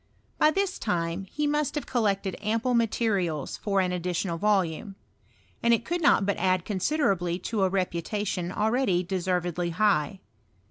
By this time he must have collected ample materials for an additional volume; and it could not hut add con siderably to a. reputation already deservedly high.